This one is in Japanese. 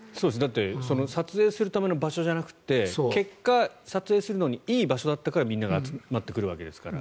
その撮影するための場所じゃなくて結果、撮影するのにいい場所だったからみんなが集まってくるわけですから。